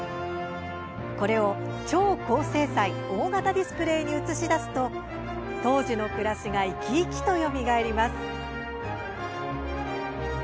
これを超高精細大型ディスプレーに映し出すと当時の暮らしが生き生きとよみがえります。